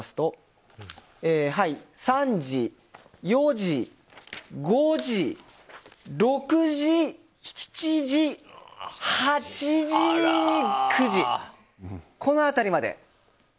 ３時、４時、５時、６時、７時８時、９時、この辺りまで。